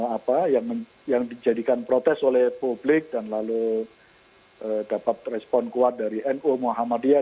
apa yang dijadikan protes oleh publik dan lalu dapat respon kuat dari nu muhammadiyah